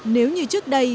nếu như trước đây